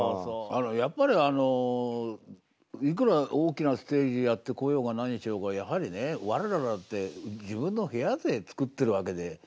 やっぱりあのいくら大きなステージでやってこようが何しようがやはりね我らだって自分の部屋で作ってるわけで。